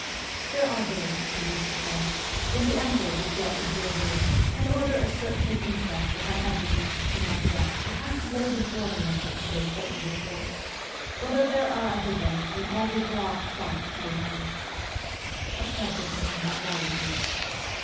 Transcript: ' There are days,' he used to say, ' when the emperor would get into a rage, and order a searching inquest upon everyone and myself, if I should lay before him on such a day certain reports ; whereas there are other days when all will go off quite 170 MEMOIRS OF A REVOLUTIONIST smoothly. A precious man that valet is.'